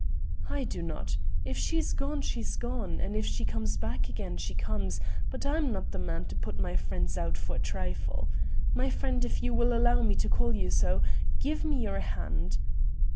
"I do not. If she's gone, she's gone, and if she comes back again she comes, but I'm not the man to put my friends out for a trifle. My friend, if you will allow me to call you so, give me your hand."